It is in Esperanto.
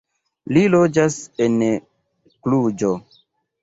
Li loĝas en Kluĵo.